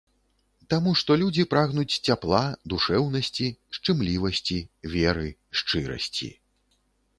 Таму што людзі прагнуць цяпла, душэўнасці, шчымлівасці, веры, шчырасці.